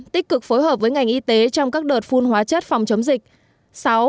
năm tích cực phối hợp với ngành y tế trong các đợt phun hóa chất phòng chống dịch